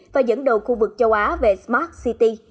và dẫn đầu khu vực châu á về smart city